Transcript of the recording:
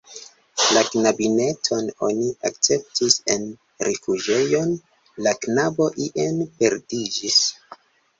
La knabineton oni akceptis en rifuĝejon, la knabo ien perdiĝis.